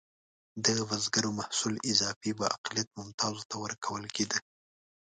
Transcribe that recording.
د بزګرو محصول اضافي به اقلیت ممتازو ته ورکول کېده.